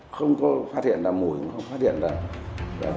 không có phát hiện ra mùi không có phát hiện ra là có giấu cái gì đó